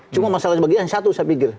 cuma masalah bagian satu saya pikir